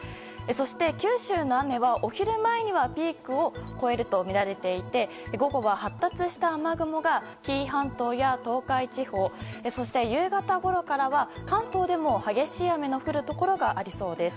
そして九州の雨はお昼前にはピークを越えるとみられていて午後は発達した雨雲が紀伊半島や東海地方そして夕方ごろからは関東でも激しい雨の降るところがありそうです。